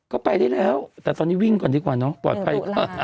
ก็ไปได้แล้วแต่ตอนนี้วิ่งก่อนดีกว่าเนาะปลอดภัย